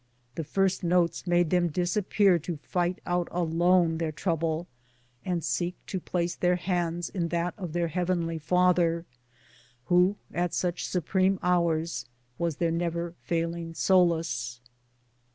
The first notes made them disappear to fight out alone their trouble, and seek to place their hands in that of their Heavenly Father, who, at such supreme hours, was their never failing solace.